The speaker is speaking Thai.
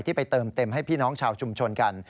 ไปเติมเต็มให้พี่น้องชาวชุมชนกัน